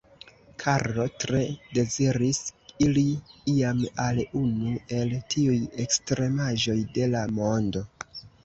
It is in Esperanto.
Karlo tre deziris iri iam al unu el tiuj ekstremaĵoj de la mondo.